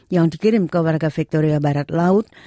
yang dikirim ke warga victoria barat laut